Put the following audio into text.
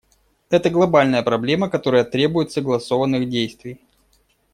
Это глобальная проблема, которая требует согласованных действий.